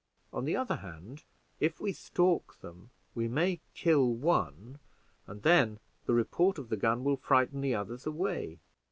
On the other hand, if we stalk them, we may kill one, and then the report of the gun will frighten the others away.